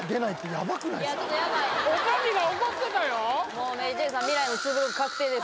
もうＭａｙＪ．さん